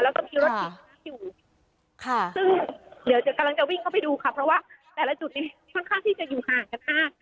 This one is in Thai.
ซึ่งเดี๋ยวกลางจะวิ่งเข้าไปดูครับเพราะว่าแต่ละจุดนี้ถ้างที่จะอยู่ห่างจังหน้า